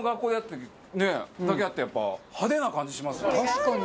確かに。